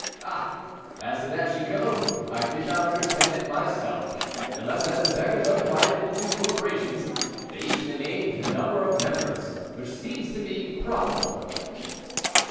"Ah! as to that, Chicot, I did not understand it myself; unless, as the beggars are divided into corporations, they each named the number of members, which seems to me probable."